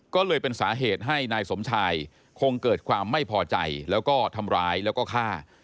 ก็เลยเป็นสาเหตุให้นายสมชายคงเกิดความไม่พอใจแล้วก็ทำร้ายแล้วก็ฆ่า